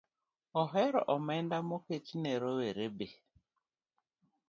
ohero omenda moketi ne rowereB.